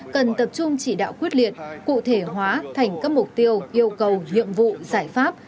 cần tập trung chỉ đạo quyết liệt cụ thể hóa thành các mục tiêu yêu cầu nhiệm vụ giải pháp